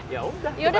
yaudah saya pergi dulu